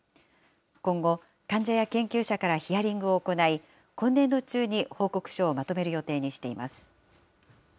今後、患者や研究者からヒアリングを行い、今年度中に報告書をまとめる予定にしています。